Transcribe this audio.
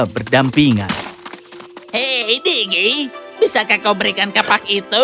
hei digi bisa kau berikan kepak itu